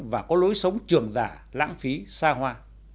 và có lối sống trường giả lãng phí xa hoa